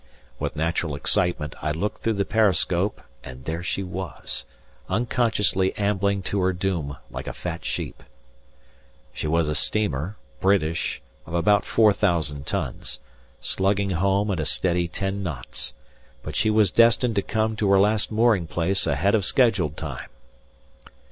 With natural excitement I looked through the periscope and there she was, unconsciously ambling to her doom like a fat sheep. She was a steamer (British) of about 4,000 tons, slugging home at a steady ten knots, but she was destined to come to her last mooring place ahead of schedule time!